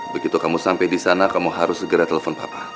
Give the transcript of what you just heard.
begitu kamu sampai di sana kamu harus segera telepon papa